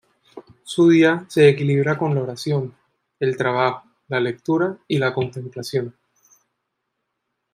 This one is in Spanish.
Su día se equilibra con la oración, el trabajo, la lectura y la contemplación.